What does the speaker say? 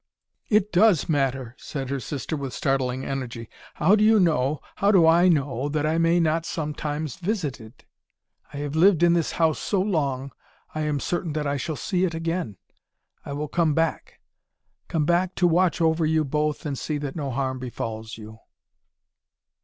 "It does matter," said her sister with startling energy. "How do you know, how do I know that I may not sometimes visit it? I have lived in this house so long I am certain that I shall see it again. I will come back. Come back to watch over you both and see that no harm befalls you."